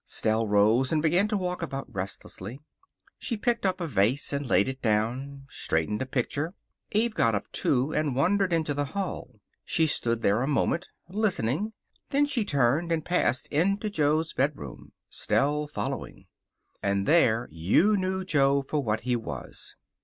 Stell rose and began to walk about restlessly. She picked up a vase and laid it down; straightened a picture. Eva got up, too, and wandered into the hall. She stood there a moment, listening. Then she turned and passed into Jo's bedroom, Stell following. And there you knew Jo for what he was.